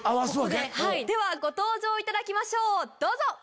ご登場いただきましょうどうぞ！